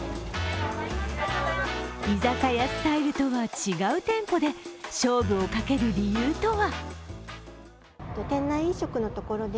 居酒屋スタイルとは違う店舗で勝負をかける理由とは？